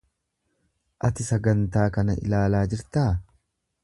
Ati sagantaa kana ilaalaa jirtaa?